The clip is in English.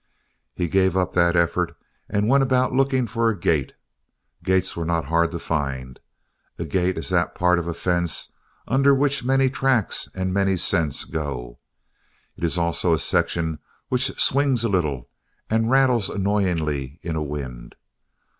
He gave up that effort and went about looking for a gate. Gates were not hard to find. A gate is that part of a fence under which many tracks and many scents go; it is also a section which swings a little and rattles annoyingly in a wind.